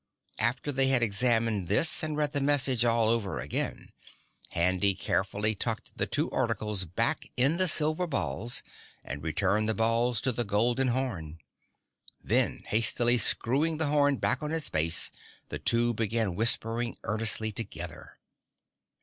After they had examined this and read the message all over again, Handy carefully tucked the two articles back in the silver balls and returned the balls to the golden horn. Then, hastily screwing the horn back on its base, the two began whispering earnestly together.